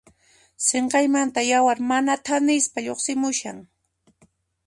Sinqaymanta yawar mana thanispa lluqsimushan.